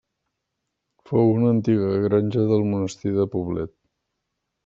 Fou una antiga granja del Monestir de Poblet.